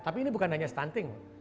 tapi ini bukan hanya stunting